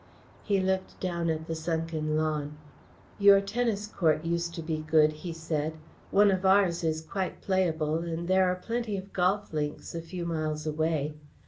He looked down at the sunken lawn. "Your tennis court used to be good," he said. "One of ours is quite playable and there are plenty of golf links a few miles away."